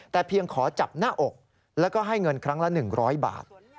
แต่เพียงขอจับหน้าอกแล้วก็ให้เงินครั้งละ๑๐๐บาท